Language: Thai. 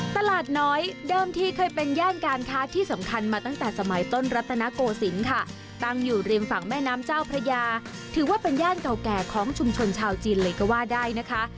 ตลาดน้อยเดิมที่เคยเป็นย่านการค้าที่สำคัญมาตั้งแต่สมัยต้นรัตนโกศิลป์ค่ะตั้งอยู่ริมฝั่งแม่น้ำเจ้าพระยาถือว่าเป็นย่านเก่าแก่ของชุมชนชาวจีนเลยก็ว่าได้นะคะ